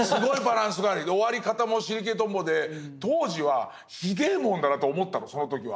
終わり方も尻切れトンボで当時はひでえものだなと思ったのその時は。